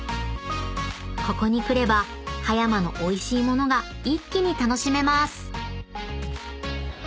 ［ここに来れば葉山のおいしい物が一気に楽しめます］